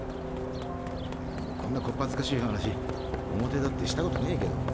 こんなこっぱずかしい話表立ってしたことねぇけど